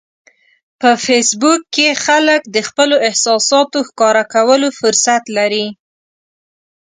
په فېسبوک کې خلک د خپلو احساساتو ښکاره کولو فرصت لري